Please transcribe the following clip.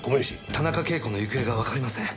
田中啓子の行方がわかりません。